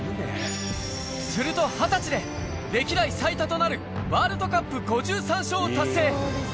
すると２０歳で、歴代最多となるワールドカップ５３勝を達成。